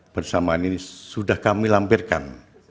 bersamaan ini sudah kami lampirkan